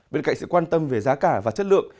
bên cạnh sự quan tâm về giá cả và chất lượng